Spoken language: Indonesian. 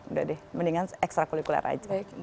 udah deh mendingan ekstra kulikuler aja